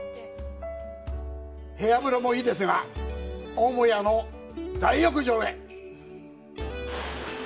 部屋風呂もいいですが、母屋の大浴場へ！